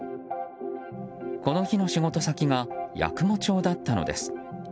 この日の仕事先が八雲町だったのです。